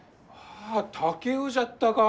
あ竹雄じゃったか！